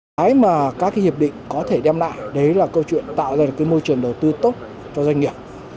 cái mà các hiệp định có thể đem lại đấy là câu chuyện tạo ra được cái môi trường đầu tư tốt cho doanh nghiệp